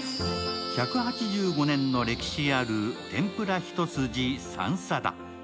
１８５年の歴史ある、天ぷら一筋、三定。